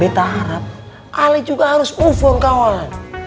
betta harap ali juga harus ufo kawan